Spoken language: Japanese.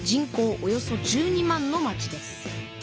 およそ１２万の町です。